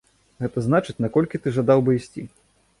Гэта значыць, наколькі ты жадаў бы ісці?